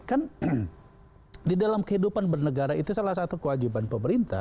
kan di dalam kehidupan bernegara itu salah satu kewajiban pemerintah